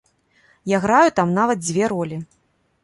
Я граю там нават дзве ролі.